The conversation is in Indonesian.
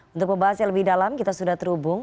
untuk pembahas yang lebih dalam kita sudah terhubung